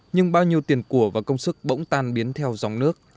nhưng bao nhiêu tiền của và công sức bỗng tan biến theo dòng nước